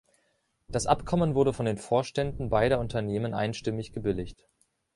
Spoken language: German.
Das Abkommen wurde von den Vorständen beider Unternehmen einstimmig gebilligt.